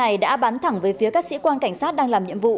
hai thanh này đã bắn thẳng với phía các sĩ quan cảnh sát đang làm nhiệm vụ